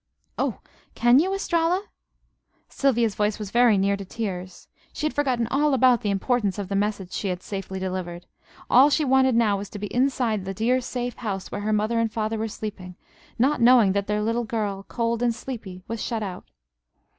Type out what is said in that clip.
"Oh! Can you, Estralla?" Sylvia's voice was very near to tears. She had forgotten all about the importance of the message she had safely delivered. All she wanted now was to be inside this dear safe house where her mother and father were sleeping, not knowing that their little girl, cold and sleepy, was shut out.